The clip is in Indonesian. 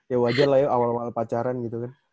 ya wajar lah ya awal awal pacaran gitu kan